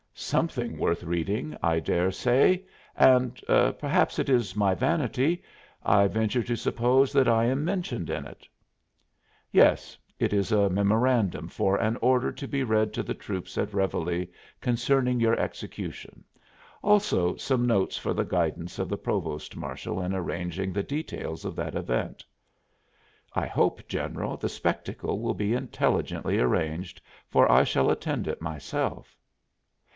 "Something worth reading, I dare say. And perhaps it is my vanity I venture to suppose that I am mentioned in it." "Yes; it is a memorandum for an order to be read to the troops at reveille concerning your execution. Also some notes for the guidance of the provost marshal in arranging the details of that event." "I hope, General, the spectacle will be intelligently arranged, for I shall attend it myself."